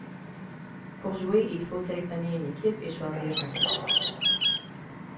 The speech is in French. Pour jouer, il faut sélectionner une équipe, et choisir un terrain.